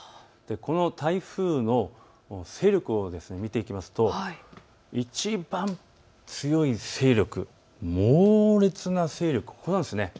この台風の勢力を見ていきますといちばん強い勢力、猛烈な勢力、ここなんです。